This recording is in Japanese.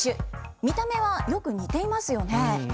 見た目はよく似ていますよね。